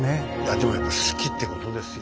でもやっぱ好きってことですよ